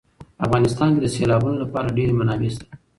په افغانستان کې د سیلابونو لپاره ډېرې منابع شته دي.